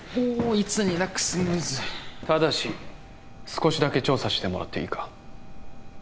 いつになくスムーズただし少しだけ調査してもらっていいか？